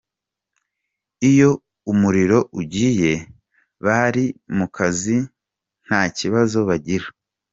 Iyo umuriro ugiye bari mu kazi nta kibazo bagira.